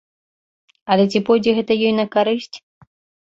Але ці пойдзе гэта ёй на карысць?